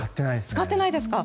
使ってないですね。